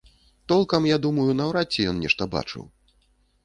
Толкам, я думаю, наўрад ці ён нешта бачыў.